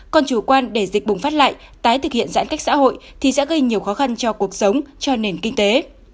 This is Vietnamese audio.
còn chủ quan để dịch bùng phát lại tái thực hiện giãn cách xã hội thì sẽ gây nhiều khó khăn cho cuộc sống cho nền kinh tế